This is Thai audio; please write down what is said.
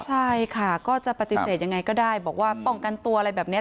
ใช่ค่ะก็จะปฏิเสธยังไงก็ได้บอกว่าป้องกันตัวอะไรแบบนี้